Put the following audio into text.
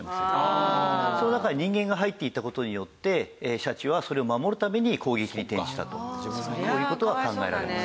その中に人間が入っていった事によってシャチはそれを守るために攻撃に転じたとこういう事は考えられます。